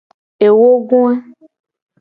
Ewogoa.